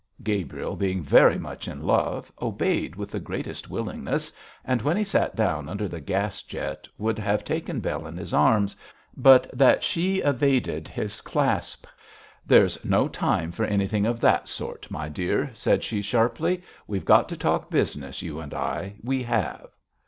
Gabriel, being very much in love, obeyed with the greatest willingness, and when he sat down under the gas jet would have taken Bell in his arms, but that she evaded his clasp. 'There's no time for anything of that sort, my dear,' said she sharply; 'we've got to talk business, you and I, we have.'